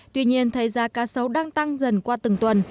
tuy nhiên thấy giá cá sấu đang tăng dần qua từng tuần